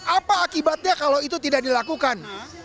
apa akibatnya kalau itu tidak dilakukan